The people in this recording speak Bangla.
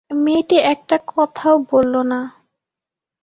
মেয়েটি একটি কথাও বলল না।